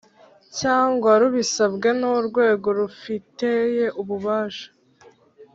cyangwa rubisabwe n urwego rufiteye ububasha